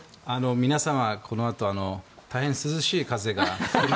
皆様、このあと大変涼しい風が。